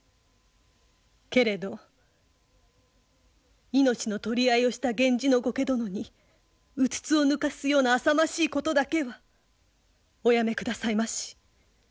けれど命の取り合いをした源氏の後家殿にうつつを抜かすようなあさましいことだけはおやめくださいまし。